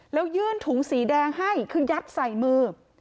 แล้วยื่นถุงสีแดงให้คือยัดใส่มือ